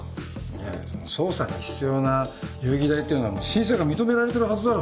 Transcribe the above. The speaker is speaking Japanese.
いやその捜査に必要な遊戯代っていうのは申請が認められてるはずだろ。